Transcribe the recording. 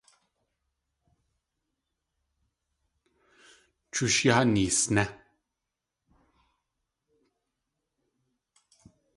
Chush yáa neesné!